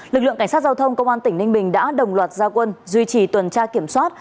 lực lượng cảnh sát giao thông công an tỉnh ninh bình đã đồng loạt gia quân duy trì tuần tra kiểm soát